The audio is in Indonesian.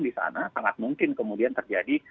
di sana sangat mungkin kemudian terjadi